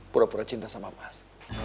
pura pura cinta sama mas